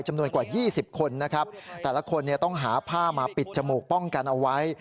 จำนวนกว่า๒๐คนนะครับแต่ละคนต้องหาผ้ามาปิดจมูกป้องกันเอาไว้